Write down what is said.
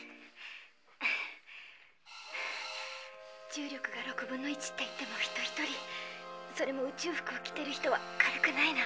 重力が６分の１っていっても人ひとりそれも宇宙服を着てる人は軽くないな。